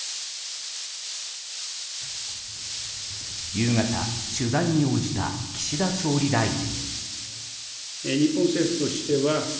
夕方、取材に応じた岸田総理大臣。